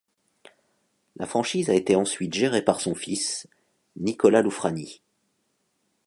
La franchise a été ensuite gérée par son fils, Nicolas Loufrani.